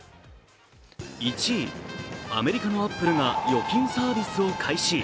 １位、アメリカのアップルが預金サービスを開始。